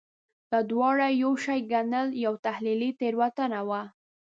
دا دواړه یو شی ګڼل یوه تحلیلي تېروتنه وه.